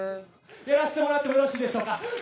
やらせてもらってもよろしいでしょうか。